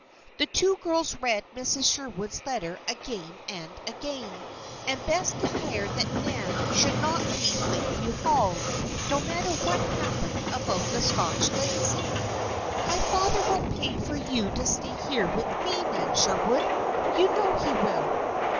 The two girls read Mrs. Sherwood's letter again and again, and Bess declared that Nan should not leave Lakeview Hall, no matter what happened about the Scotch legacy. "My father will pay for you to stay here with me, Nan Sherwood. You know he will."